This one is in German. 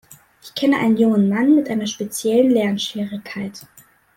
Ich kenne einen jungen Mann mit einer speziellen Lernschwierigkeit.